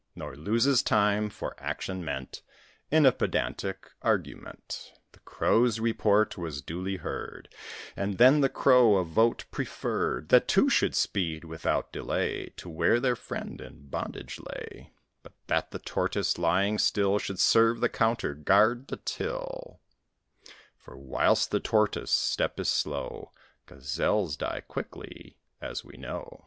Nor loses time, for action meant, In a pedantic argument. The Crow's report was duly heard, And then the Crow a vote preferred That two should speed, without delay, To where their friend in bondage lay, But that the Tortoise, lying still, Should serve the counter, guard the till; For, whilst the Tortoise' step is slow, Gazelles die quickly, as we know.